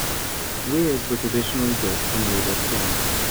Weirs were traditionally built from wood or stones.